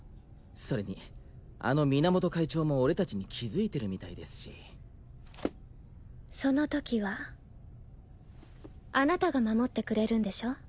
それにあの源会長も俺達に気づいてるみたいですしその時はあなたが守ってくれるんでしょ？